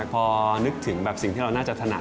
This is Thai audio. พอนึกถึงแบบสิ่งที่เราน่าจะถนัด